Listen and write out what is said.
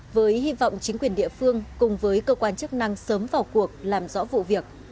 với hy vọng chính quyền địa phương cùng với cơ quan chức năng sớm vào cuộc làm rõ vụ việc